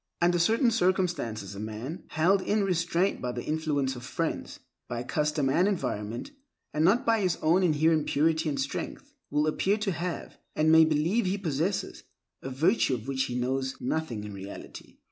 Under certain circumstances a man, held in restraint by the influence of friends, by custom and environment, and not by his own inherent purity and strength, will appear to have, and may believe he possesses, a virtue of which he knows nothing in reality.